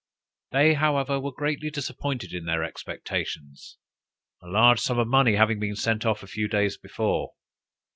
They, however, were greatly disappointed in their expectations, a large sum of money having been sent off a few days before.